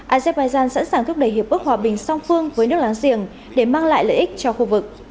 azerbaijan sẵn sàng thúc đẩy hiệp ước hòa bình song phương với nước láng giềng để mang lại lợi ích cho khu vực